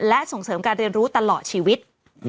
และส่งเสริมการเรียนรู้ตลอดชีวิต